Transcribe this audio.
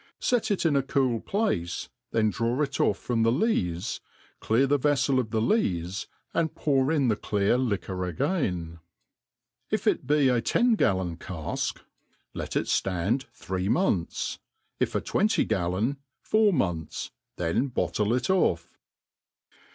Set it in a cool place, then draw it off from .the lees, clear the veffel of the lees, and pour in the clear liquor again. If it be a ten gallon cafk, MADE PLAIN AND EASY. 303 ^aik, kt it fland three months ^ if a twenty gallon fatir Booths^ then bottle it off.